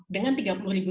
dengan tiga puluh ribu